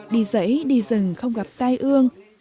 đi giấy đi rừng không gặp tai ương